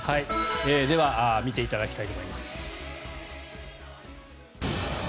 では、見ていただきたいと思います。